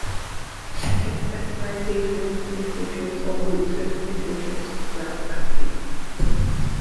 It specifies these rules for individuals or groups of individuals throughout the company.